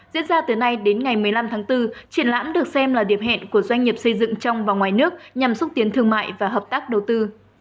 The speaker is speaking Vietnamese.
diễn ra từ nay đến ngày một mươi năm tháng bốn triển lãm được xem là điểm hẹn của doanh nghiệp xây dựng trong và ngoài nước nhằm xúc tiến thương mại và hợp tác đầu tư